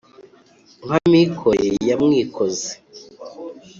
Nka Mikore ya Mwikozi*